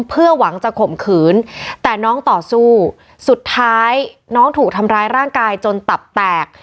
เพื่อหวังจะข่มขืนแต่น้องต่อสู้สุดท้ายน้องถูกทำร้ายร่างกายจนตับแตก